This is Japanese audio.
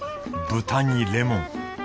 豚にレモン